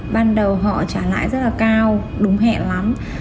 ban đầu họ trả lãi rất là cao đúng hẹn lắm